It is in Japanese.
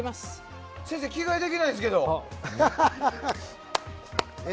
先生、着替えができないですけど。